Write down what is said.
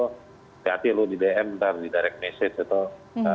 hati hati lu di dm ntar di direct message atau